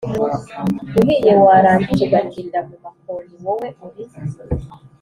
uhiye warangiza ugatinda mu makoni wowe uri